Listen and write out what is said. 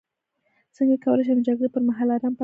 څنګه کولی شم د جګړې پر مهال ارام پاتې شم